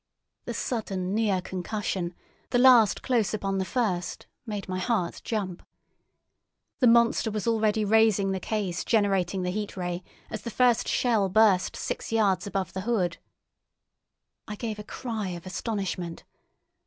The sudden near concussion, the last close upon the first, made my heart jump. The monster was already raising the case generating the Heat Ray as the first shell burst six yards above the hood. I gave a cry of astonishment.